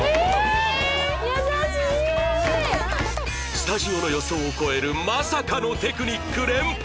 スタジオの予想を超えるまさかのテクニック連発！